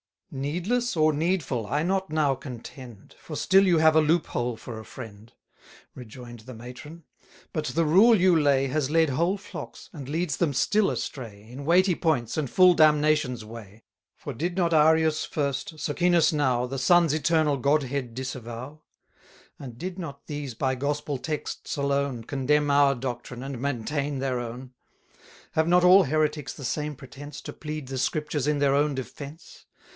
Needless, or needful, I not now contend, For still you have a loop hole for a friend; Rejoin'd the matron: but the rule you lay Has led whole flocks, and leads them still astray, In weighty points, and full damnation's way. For did not Arius first, Socinus now, 150 The Son's Eternal Godhead disavow? And did not these by gospel texts alone Condemn our doctrine, and maintain their own? Have not all heretics the same pretence To plead the Scriptures in their own defence?